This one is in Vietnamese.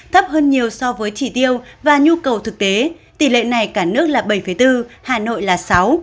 thấp hơn nhiều so với chỉ tiêu và nhu cầu thực tế tỷ lệ này cả nước là bảy bốn hà nội là sáu